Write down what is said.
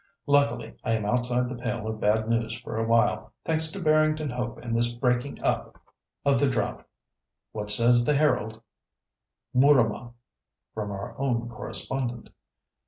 Luckily, I am outside the pale of bad news for a while, thanks to Barrington Hope and this breaking up of the drought. What says the Herald? "MOORAMAH. "(From our Own Correspondent.)